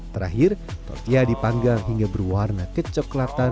terakhir tortilla dipanggang hingga berwarna kecoklatan